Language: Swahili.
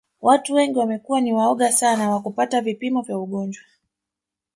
Watu wengi wamekuwa ni waoga sana wa kupata vipimo vya ugonjwa